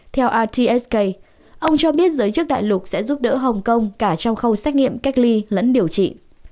theortsk ông cho biết giới chức đại lục sẽ giúp đỡ hồng kông cả trong khâu xét nghiệm cách ly lẫn điều trị